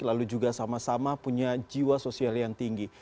lalu juga sama sama punya jiwa sosial yang tinggi